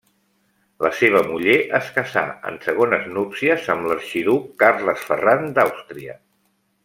La seva muller es casà en segones núpcies amb l'arxiduc Carles Ferran d'Àustria.